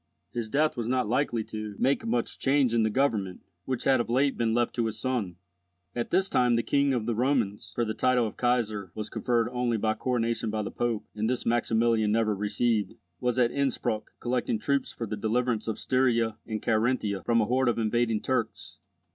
His death was not likely to make much change in the government, which had of late been left to his son. At this time the King of the Romans (for the title of Kaisar was conferred only by coronation by the Pope, and this Maximilian never received) was at Innspruck collecting troops for the deliverance of Styria and Carinthia from a horde of invading Turks.